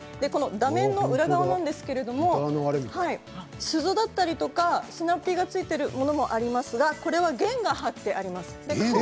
打面の裏側なんですけれど鈴だったりスナッピーがついているものもありますがこれは弦が張ってあります。